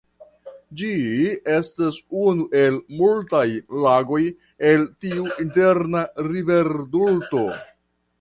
Ĝi estas unu el multaj lagoj el tiu interna riverdelto.